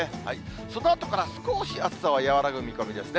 そのあとから少し暑さは和らぐ見込みですね。